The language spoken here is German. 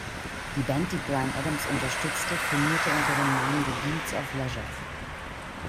Die Band, die Bryan Adams unterstützte, firmierte unter dem Namen „The Dudes of Leisure“.